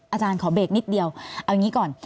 อาจารย์ขอเบรกนิดเดียวเอาอย่างนี้ก่อน